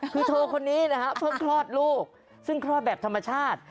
คือเธอคนนี้นะฮะเพิ่งคลอดลูกซึ่งคลอดแบบธรรมชาติ